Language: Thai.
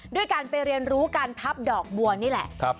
ด้วยการไปเรียนรู้การพับดอกบัวนี่แหละ